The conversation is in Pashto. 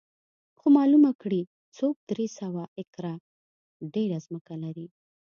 څو معلومه کړي څوک درې سوه ایکره ډېره ځمکه لري